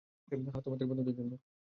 হ্যাঁ, তোমার বন্ধুদের জন্য।